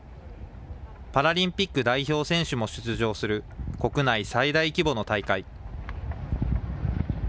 パラリンピック代表選手も出場する国内最大規模の大会。